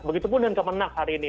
begitupun dengan kemenang hari ini